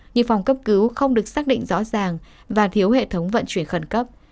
như phòng cấp cứu không được xác định rõ ràng và thiếu hệ thống vận chuyển khẩn cấp